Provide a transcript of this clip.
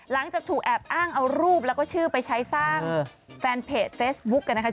หลังจากถูกแอบอ้างเอารูปแล้วก็ชื่อไปใช้สร้างแฟนเพจเฟซบุ๊กกันนะคะ